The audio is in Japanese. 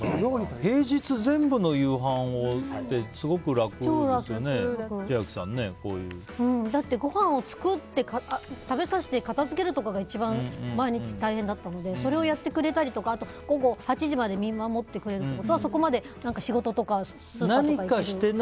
平日全部の夕飯をってすごく楽ですよね、千秋さん。だって、ごはんを作って食べさせて片づけるのが一番毎日大変だったのでそれをやってくれたりとか午後８時まで見守ってくれるのはそこまで仕事とかもできるし。